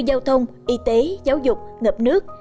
giao thông y tế giáo dục ngập nước